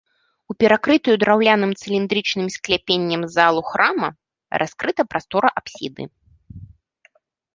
У перакрытую драўляным цыліндрычным скляпеннем залу храма раскрыта прастора апсіды.